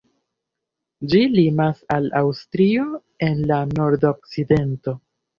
Ĝi limas al Aŭstrio en la nordokcidento.